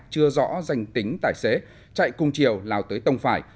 chưa rõ danh tính tài xế chạy cùng chiều lào tới tông phải